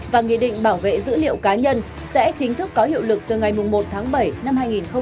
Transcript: và nghị định bảo vệ dữ liệu cá nhân sẽ chính thức có hiệu lực từ ngày một tháng bảy năm hai nghìn hai mươi